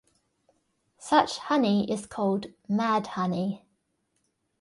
Such honey is called 'mad honey'.